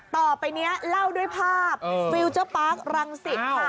ต่อไปนี้เล่าด้วยภาพฟิลเจอร์ปาร์ครังสิตค่ะ